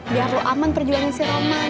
biar lo aman perjuangin si roman